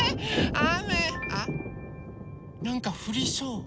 あっなんかふりそう。